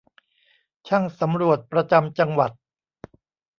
ช่างสำรวจประจำจังหวัด